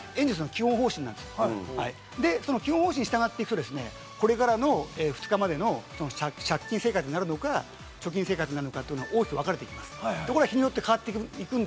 これがエンゼルスの基本方針、基本方針に従っていくと、これからの２日までの借金生活になるのか、貯金生活になるのか大きくわかれています。